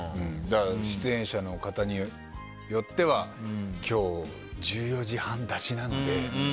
出演者の方によっては今日、１４時半出しなので。